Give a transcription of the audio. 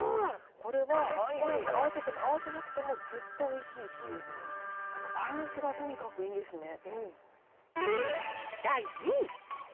これはごはんと合わせても合わせなくてもずっとおいしいし、なんかバランスがとにかくいいですね。